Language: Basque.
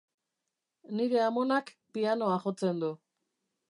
Nire amonak pianoa jotzen du